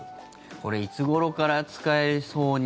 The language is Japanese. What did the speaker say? これ、いつごろから使えそうに。